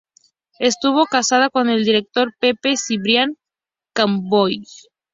Estuvo casada con el director Pepe Cibrián Campoy.